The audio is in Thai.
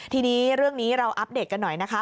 ทีนี้เรื่องนี้เราอัปเดตกันหน่อยนะคะ